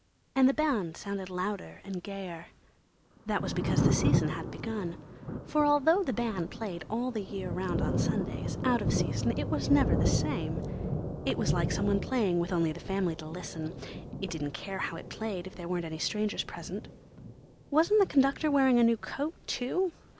And the band sounded louder and gayer. That was because the Season had begun. For although the band played all the year round on Sundays, out of season it was never the same. It was like some one playing with only the family to listen; it didn't care how it played if there weren't any strangers present. Wasn't the conductor wearing a new coat, too?